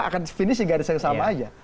akan finish di garis yang sama aja